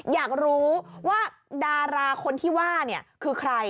อยากรู้ว่าดาราคนที่ว่าคือใคร